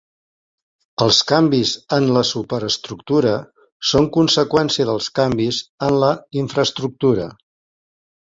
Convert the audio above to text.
Els canvis en la superestructura són conseqüència dels canvis en la infraestructura.